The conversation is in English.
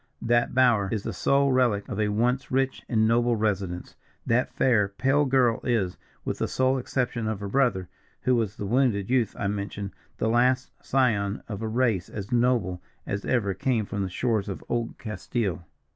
That bower is the sole relic of a once rich and noble residence that fair, pale girl is, with the sole exception of her brother, who was the wounded youth I mentioned, the last scion of a race as noble as ever came from the shores of old Castile."